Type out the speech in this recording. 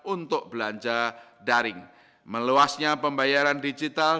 untuk belanja daring meluasnya pembayaran digital